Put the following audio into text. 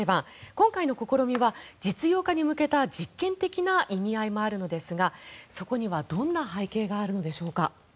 今回の試みは実用化に向けた実験的な意味合いもあるのですがそこにはどんな背景があるのでしょうか。